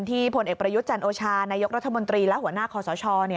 ผลเอกประยุทธ์จันโอชานายกรัฐมนตรีและหัวหน้าคอสช